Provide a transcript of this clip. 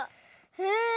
へえ！